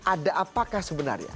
ada apakah sebenarnya